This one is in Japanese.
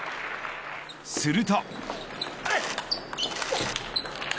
すると。